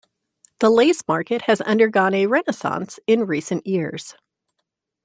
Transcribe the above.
The Lace Market has undergone a renaissance in recent years.